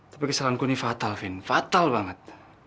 tapi kesalahanku ini fatal vin fatal banget